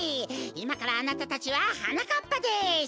いまからあなたたちははなかっぱです！